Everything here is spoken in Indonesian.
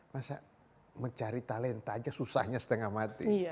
masa mencari talenta aja susahnya setengah mati